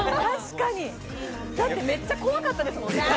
確かに、だってめっちゃ怖かったですものね。